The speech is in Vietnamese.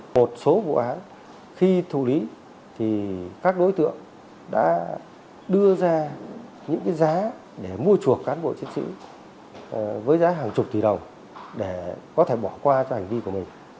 một số vụ án khi thủ lý thì các đối tượng đã đưa ra những cái giá để mua chuộc cán bộ chiến sĩ với giá hàng chục tỷ đồng để có thể bỏ qua cho hành vi của mình